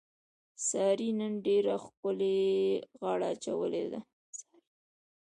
سارې نن ډېره ښکلې غاړه اچولې ده.